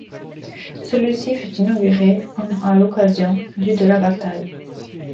Celui-ci fut inauguré en à l'occasion du de la bataille.